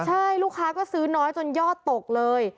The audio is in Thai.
ใช่ลูกค้าก็ซื้อน้อยจนยอดตกเลย